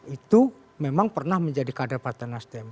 itu memang pernah menjadi kader partai nasdem